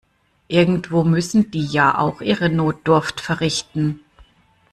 Irgendwo müssen die ja auch ihre Notdurft verrichten.